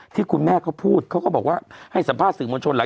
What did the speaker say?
ที่คุณแม่เขาพูดเขาก็บอกว่าให้สัมภาษณ์สื่อมวลชนหลาย